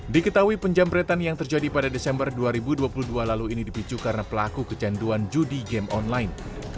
diketahui penjamretan yang terjadi pada desember dua ribu dua puluh dua lalu ini dipicu karena pelaku kecanduan judi game online